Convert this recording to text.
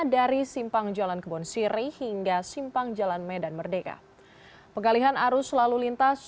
dari simpang jalan kebon siri hingga simpang jalan medan merdeka pengalihan arus lalu lintas